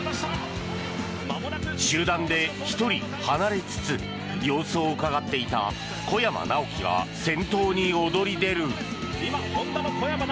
集団で１人離れつつ様子をうかがっていた小山直城が先頭に躍り出る。